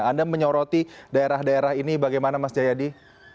anda menyoroti daerah daerah ini bagaimana mas jayadi